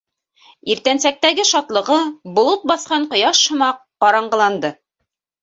Иртәнсәктәге шатлығы, болот баҫҡан ҡояш һымаҡ, ҡараңғыланды.